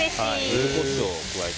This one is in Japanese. ユズコショウを加えて。